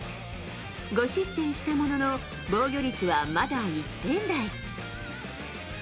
５失点したものの、防御率はまだ１点台。